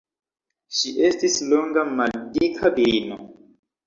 Ŝi estis longa maldika virino.